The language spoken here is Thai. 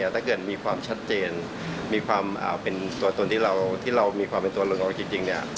ถ้าเกิดมีความชัดเจนมีความเป็นตัวตนที่เรามีความเป็นตัวหลักของเราจริง